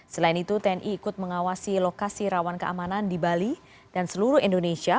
selain itu tni ikut mengawasi lokasi rawan keamanan di bali dan seluruh indonesia